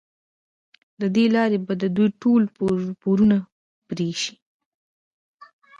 له دې لارې به د دوی ټول پورونه پرې شي.